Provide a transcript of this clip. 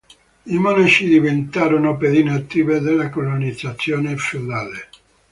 I monaci diventarono pedine attive della colonizzazione feudale.